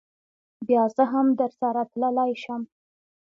بیا زه هم درسره تللی شم.